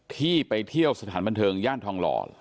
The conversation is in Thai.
ที่ไปเที่ยวสถานบันเทิงย่านทองหล่อ